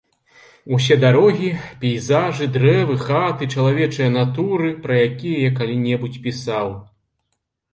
Усе дарогі, пейзажы, дрэвы, хаты, чалавечыя натуры, пра якія я калі-небудзь пісаў.